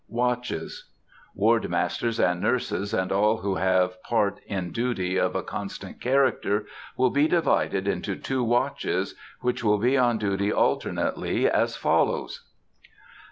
WATCHES. Ward masters and nurses, and all who have part in duty of a constant character, will be divided into two watches, which will be on duty alternately, as follows:— 1.